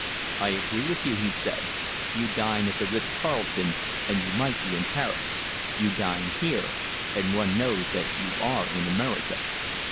"I agree with you," he said. "You dine at the Ritz Carlton and you might be in Paris. You dine here, and one knows that you are in America."